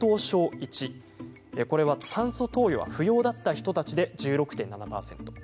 １酸素投与は不要だった人たちで１６．７％